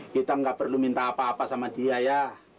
kita nggak perlu minta apa apa sama dia ya